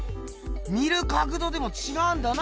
見る角度でもちがうんだな。